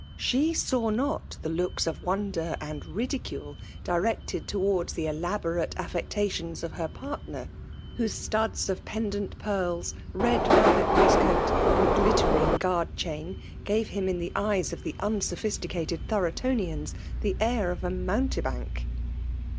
She saw not the lo<^ of wonder and ridicule directed towards the elaborate affectations of her partner^ whose studs of pendent pearls^ red velvet waistcoat*, and glittering guard chain> gave him in the eyes of the unsophisticated Thorotonians thie air of a mountebank.